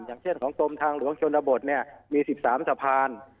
อย่างเช่นของกรมทางหลวงชนบทมี๑๓สะพาน